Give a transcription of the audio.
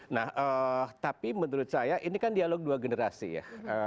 nah tapi menurut saya ini kan dialog dua generasi ya